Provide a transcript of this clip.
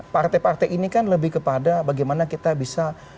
partai partai ini kan lebih kepada bagaimana kita bisa